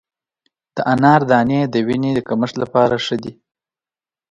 د انار دانې د وینې د کمښت لپاره ښه دي.